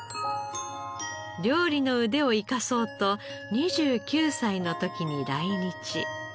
料理の腕を生かそうと２９歳の時に来日。